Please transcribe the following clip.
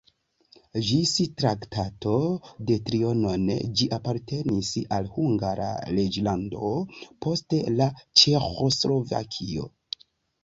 Ĝis Traktato de Trianon ĝi apartenis al Hungara reĝlando, poste al Ĉeĥoslovakio.